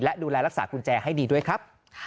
และดูแลรักษากุญแจให้ดีด้วยครับ